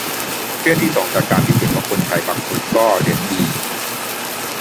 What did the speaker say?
เครียดที่สองจากการที่เห็นว่าคนไทยบางคนก็เห็นดี